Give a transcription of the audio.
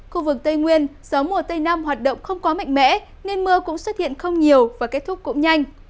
khu vực tây nguyên gió mùa tây nam hoạt động không quá mạnh mẽ nên mưa cũng xuất hiện không nhiều và kết thúc cũng nhanh